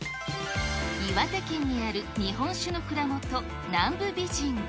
岩手県にある日本酒の蔵元、南部美人。